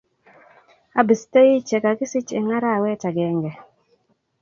abistei cje kakisich eng arawet agenge